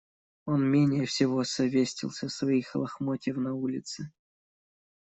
Он менее всего совестился своих лохмотьев на улице.